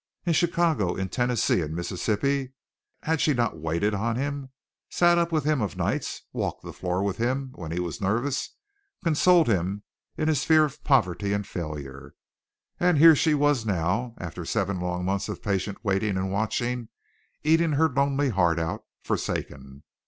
In Chicago, in Tennessee, in Mississippi, had she not waited on him, sat up with him of nights, walked the floor with him when he was nervous, consoled him in his fear of poverty and failure, and here she was now, after seven long months of patient waiting and watching eating her lonely heart out forsaken.